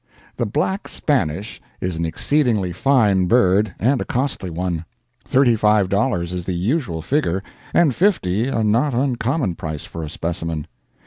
The Black Spanish is an exceedingly fine bird and a costly one. Thirty five dollars is the usual figure, and fifty a not uncommon price for a specimen.